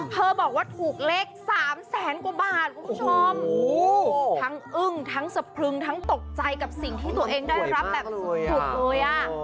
บอกว่าถูกเลข๓แสนกว่าบาทคุณผู้ชมทั้งอึ้งทั้งสะพรึงทั้งตกใจกับสิ่งที่ตัวเองได้รับแบบสุดเลยอ่ะ